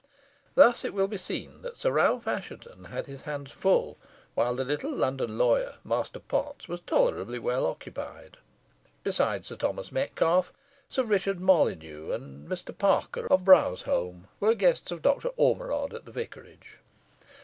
Thus it will be seen that Sir Ralph Assheton had his hands full, while the little London lawyer, Master Potts, was tolerably well occupied. Besides Sir Thomas Metcalfe, Sir Richard Molyneux, and Mr. Parker of Browsholme, were guests of Dr. Ormerod at the vicarage.